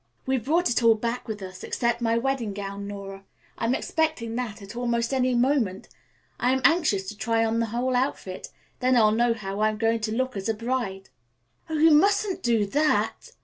"We brought it all back with us, except my wedding gown, Nora. I'm expecting that at almost any moment. I'm anxious to try on the whole outfit. Then I'll know how I'm going to look as a bride." "Oh, you mustn't do that!"